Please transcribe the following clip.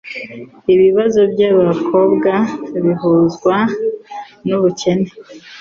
ibibazo by'abakobwa bihuzwa n'ubukene,